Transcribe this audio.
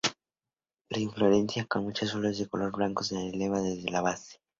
La inflorescencia con muchas flores de color blanco que se eleva desde la base.